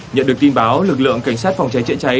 nhận được tin báo lực lượng cảnh sát phòng cháy chữa cháy